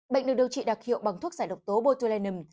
bệnh được điều trị đặc hiệu bằng thuốc giải độc tố botlanum